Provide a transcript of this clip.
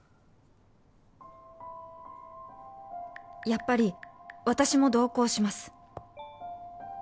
「やっぱり私も同行します！」。